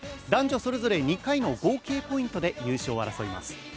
男女それぞれ２回の合計ポイントで優勝を狙います。